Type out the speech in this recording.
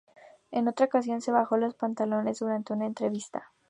En otra ocasión se bajó los pantalones durante una entrevista.